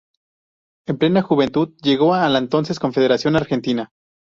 En plena juventud, llegó a la entonces Confederación Argentina.